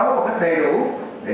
một cách đầy đủ